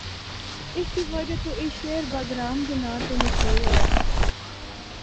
اس دی وجہ تو اے شہر باگرام دے ناں تو مشہور ہویا۔